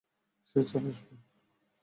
সে চলে আসবে।